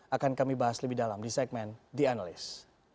akan kami bahas lebih dalam di segmen the analyst